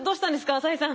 浅井さん。